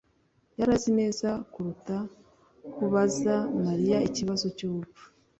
yari azi neza kuruta kubaza Mariya ikibazo cyubupfu